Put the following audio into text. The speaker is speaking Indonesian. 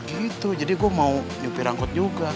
gitu jadi gue mau nyupi rangkut juga